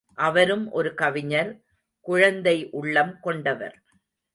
அவரும் ஒரு கவிஞர், குழந்தை உள்ளம் கொண்டவர்.